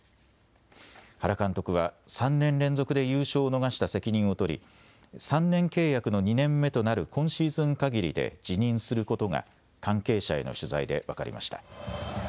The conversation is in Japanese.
原監督は３年連続で優勝を逃した責任を取り、３年契約の２年目となる今シーズンかぎりで辞任することが関係者への取材で分かりました。